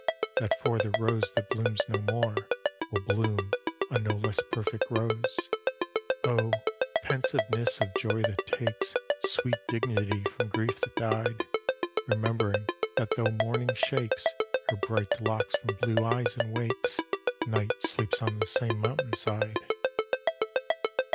That for the rose that blooms no more Will bloom a no less perfect rose! Oh, pensiveness of joy that takes Sweet dignity from grief that died! Remembering that though morning shakes Her bright locks from blue eyes and wakes, Night sleeps on the same mountain side.